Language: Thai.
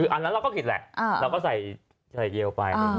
อันนั้นเราก็ผิดแหละเราก็ใส่เดียวไป